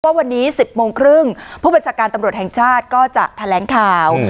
ว่าวันนี้๑๐โมงครึ่งผู้บัญชาการตำรวจแห่งชาติก็จะแถลงข่าว